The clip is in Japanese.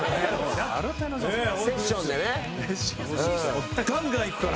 セッションでね。